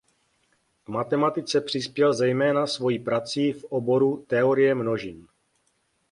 V matematice přispěl zejména svojí prací v oboru teorie množin.